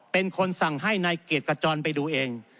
เป็นคนสั่งให้นายเกียรติกระจรไปดูเอง